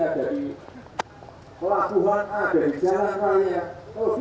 ada di kantor kantor ada di instansi